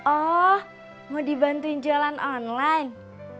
oh mau dibantuin jalan online